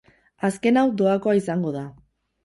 Azken hau doakoa izango da.